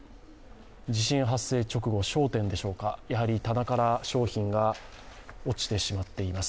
地震発生直後、商店でしょうか、棚から商品が落ちてしまっています